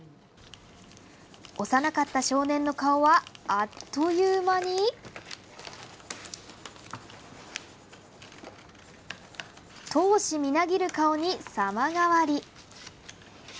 幼かった少年の顔はあっという間に闘志みなぎる顔に様変わり。